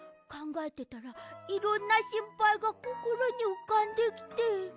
かんがえてたらいろんなしんぱいがこころにうかんできて。